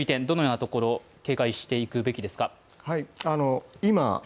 どのようなところ、警戒していくべきですか。